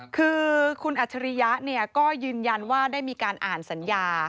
คือคุณอัจฉริยะก็ยืนยันว่าได้มีการอ่านสัญญา